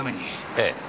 ええ。